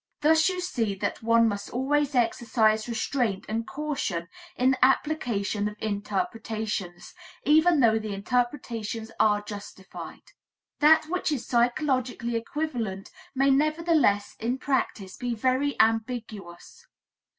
Thus you see that one must always exercise restraint and caution in the application of interpretations, even though the interpretations are justified. That which is psychologically equivalent may nevertheless in practice be very ambiguous.